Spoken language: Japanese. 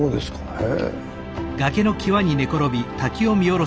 へえ。